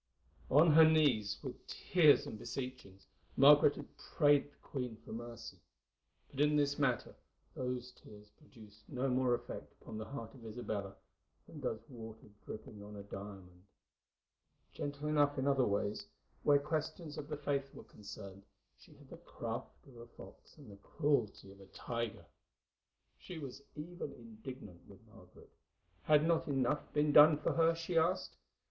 On her knees, with tears and beseechings, Margaret had prayed the queen for mercy. But in this matter those tears produced no more effect upon the heart of Isabella than does water dripping on a diamond. Gentle enough in other ways, where questions of the Faith were concerned she had the craft of a fox and the cruelty of a tiger. She was even indignant with Margaret. Had not enough been done for her? she asked.